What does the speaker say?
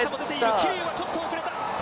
桐生はちょっと遅れた。